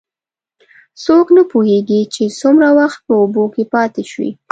څوک نه پوهېږي، چې څومره وخت په اوبو کې پاتې شوی.